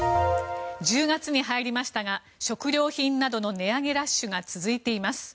１０月に入りましたが食料品などの値上げラッシュが続いています。